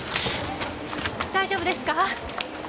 大丈夫ですか？